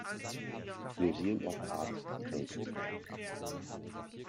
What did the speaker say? Museum of Art trägt.